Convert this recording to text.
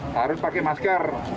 harus pakai masker